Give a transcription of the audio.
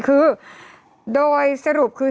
คือโดยสรุปคือ